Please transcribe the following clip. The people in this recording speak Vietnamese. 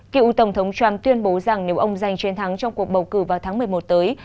cựu tổng thống trump tuyên bố rằng nếu ông giành chiến thắng trong cuộc bầu cử vào tháng một mươi một tới